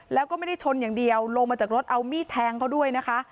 แล้วก็ไม่ได้ชนอย่างเดียวลงมาจากรถเอามีดแทงเขาด้วยนะคะ